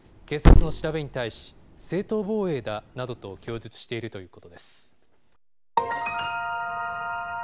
警察の調べに対し、正当防衛だなどと供述しているということです。